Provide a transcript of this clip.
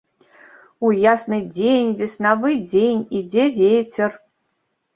У ясны дзень, веснавы дзень, ідзе вецер.